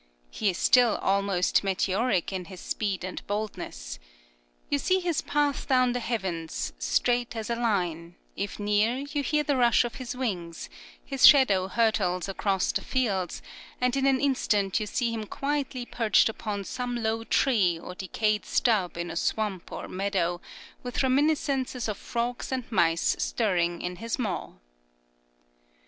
He is still almost meteoric in his speed and boldness. You see his path down the heavens, straight as a line; if near, you hear the rush of his wings; his shadow hurtles across the fields, and in an instant you see him quietly perched upon some low tree or decayed stub in a swamp or meadow, with reminiscences of frogs and mice stirring in his maw.